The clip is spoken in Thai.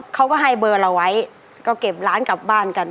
เขาก็ให้เบอร์เราไว้ก็เก็บร้านกลับบ้านกัน